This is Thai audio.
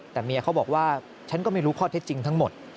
แต่เมียเขาบอกว่าฉันก็ไม่รู้ข้อเท็จจริงทั้งหมด